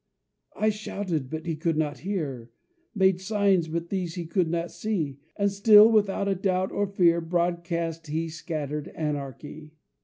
I shouted, but he could not hear; Made signs, but these he could not see; And still, without a doubt or fear, Broadcast he scattered anarchy.